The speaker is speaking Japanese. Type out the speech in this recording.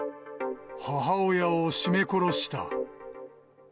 母親を絞め殺した。